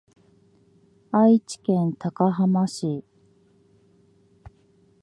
愛知県高浜市